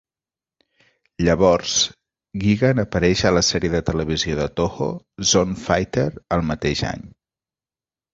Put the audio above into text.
Llavors, Gigan apareix a la sèrie de televisió de Toho "Zone Fighter" el mateix any.